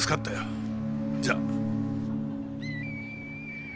じゃあ。